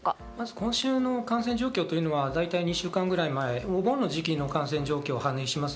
今週の感染状況というのは、だいたい２週間ぐらい前、お盆の時期の感染状況を反映します。